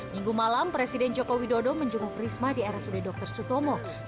minggu malam presiden joko widodo menjenguk risma di rsud dr sutomo